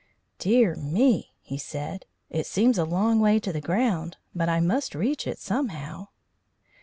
"Dear me!" he said, "it seems a long way to the ground. But I must reach it somehow."